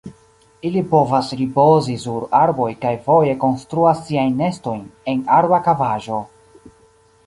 Ili povas ripozi sur arboj kaj foje konstruas siajn nestojn en arba kavaĵo.